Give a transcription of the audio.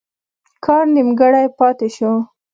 کار نیمګړی پاته شو.